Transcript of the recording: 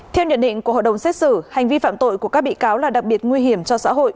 theo nhận định của hội đồng xét xử hành vi phạm tội của các bị cáo là đặc biệt nguy hiểm cho xã hội